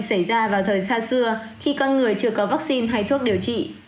xảy ra vào thời xa xưa khi con người chưa có vaccine hay thuốc điều trị